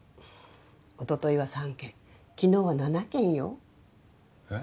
おとといは３件昨日は７件よえっ？